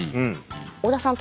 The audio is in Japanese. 織田さん